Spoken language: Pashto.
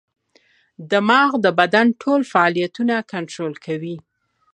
دماغ د بدن ټول فعالیتونه کنټرول کوي.